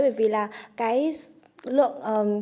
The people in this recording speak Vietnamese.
bởi vì là cái lượng